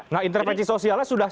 nah intervensi sosialnya sudah